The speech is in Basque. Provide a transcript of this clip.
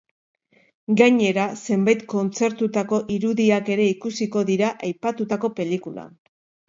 Gainera, zenbait kontzertutako irudiak ere ikusiko dira aipatutako pelikulan.